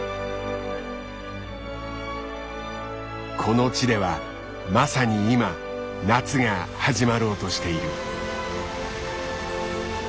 この地ではまさに今夏が始まろうとしている。